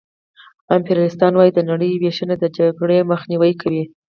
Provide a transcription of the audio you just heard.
امپریالیستان وايي د نړۍ وېشنه د جګړې مخنیوی کوي